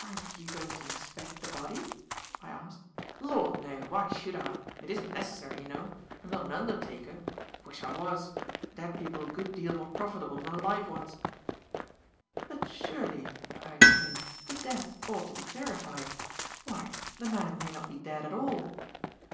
"Aren't you going to inspect the body?" I asked. "Lord, no! Why should I! It isn't necessary, you know. I'm not an undertaker. Wish I was. Dead people good deal more profitable than live ones." "But surely," I exclaimed, "the death ought to be verified. Why the man may not be dead at all."